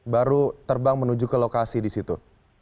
baru terbang menuju ke lokasi di situ